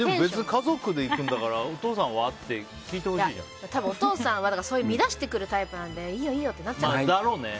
家族で行くんだからお父さんは？ってお父さんは乱してくるタイプなんでいいよいいよってだろうね。